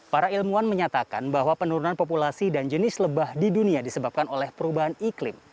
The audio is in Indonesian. para ilmuwan menyatakan bahwa penurunan populasi dan jenis lebah di dunia disebabkan oleh perubahan iklim